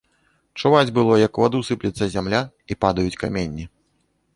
Чуваць было, як у ваду сыплецца зямля і падаюць каменні.